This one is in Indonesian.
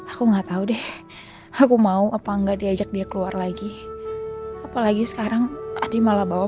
aku nggak tahu deh aku mau apa enggak diajak dia keluar lagi apalagi sekarang adi malah bawa